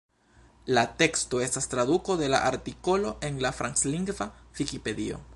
La teksto estas traduko de la artikolo en la franclingva Vikipedio.